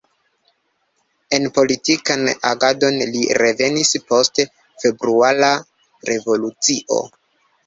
En politikan agadon li revenis post Februara Revolucio.